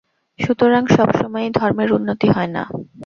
সুতরাং সব সময়েই ধর্মের উন্নতি হয় না।